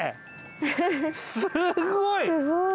すごい！